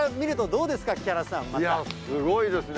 いや、すごいですね。